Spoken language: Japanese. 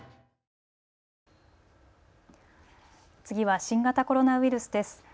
次は新型コロナウイルスです。